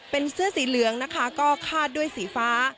เป็นเสื้อสีเหลืองนะคะก็คาดด้วยสีฟ้า